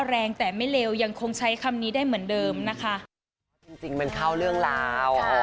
แรงแต่ไม่เลวยังคงใช้คำนี้ได้เหมือนเดิมนะคะ